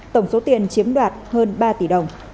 tổng số tiền chiếm đoạt hơn ba tỷ đồng